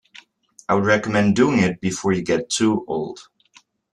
I would recommend doing it before you get too old.